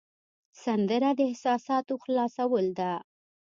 سندره د احساساتو خلاصول ده